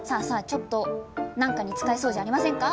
ちょっと何かに使えそうじゃありませんか？